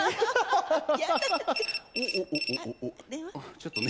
ちょっとね。